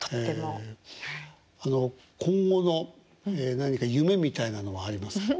あの今後の何か夢みたいなのはありますか？